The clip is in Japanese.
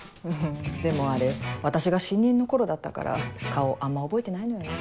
でもあれ私が新任の頃だったから顔あんま覚えてないのよね。